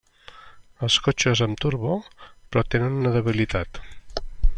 Els cotxes amb turbo però tenen una debilitat: